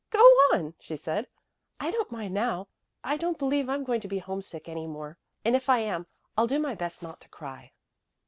"Go on," she said. "I don't mind now. I don't believe I'm going to be homesick any more, and if I am I'll do my best not to cry."